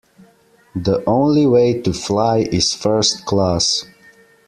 The only way too fly is first class